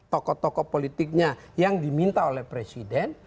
toko toko politiknya yang diminta oleh presiden